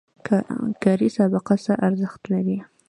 کاري سابقه څه ارزښت لري؟